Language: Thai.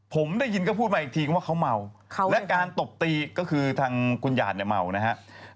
ผมได้ยินก็พูดมาอีกทีว่าเขาเมาและการตบตีก็คือทางคุณหยาดเนี่ยเมานะครับ